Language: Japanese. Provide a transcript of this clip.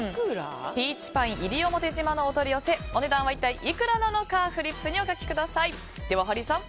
ピーチパイン西表島のお取り寄せお値段は一体いくらなのかフリップにお書きください。